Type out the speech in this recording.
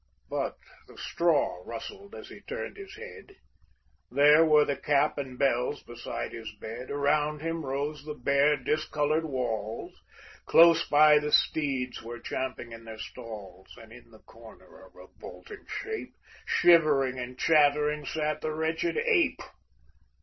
But the straw rustled as he turned his head, There were the cap and bells beside his bed, Around him rose the bare discolored walls, Close by the steeds were champing in their stalls, And in the corner, a revolting shape, Shivering and chattering sat the wretched ape.